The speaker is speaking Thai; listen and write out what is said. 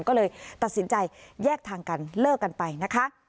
ก็เลยตัดสินใจแยกทางกันเลิกกันไปนะคะ